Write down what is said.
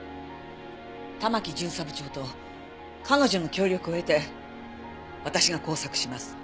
玉城巡査部長と彼女の協力を得て私が工作します。